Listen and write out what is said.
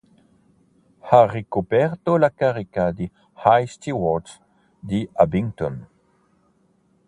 Ha ricoperto la carica di High Steward di Abingdon.